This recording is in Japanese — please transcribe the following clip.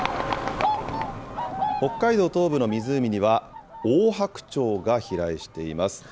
北海道東部の湖には、オオハクチョウが飛来しています。